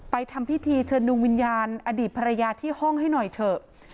ทำพิธีเชิญดวงวิญญาณอดีตภรรยาที่ห้องให้หน่อยเถอะ